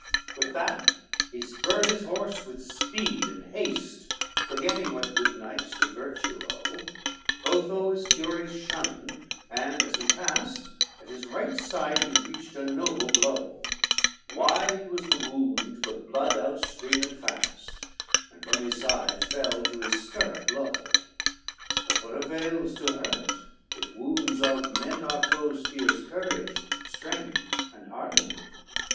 XXXIV With that he spurred his horse with speed and haste, Forgetting what good knights to virtue owe, Otho his fury shunned, and, as he passed, At his right side he reached a noble blow, Wide was the wound, the blood outstreamed fast, And from his side fell to his stirrup low: But what avails to hurt, if wounds augment Our foe's fierce courage, strength and hardiment?